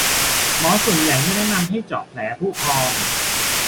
หมอส่วนใหญ่ไม่แนะนำให้เจาะแผลผุพอง